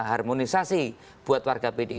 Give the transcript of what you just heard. harmonisasi buat warga pdi